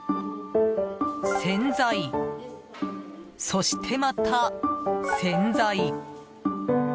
洗剤、そしてまた洗剤。